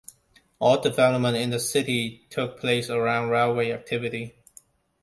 All development in the city took place around railway activity.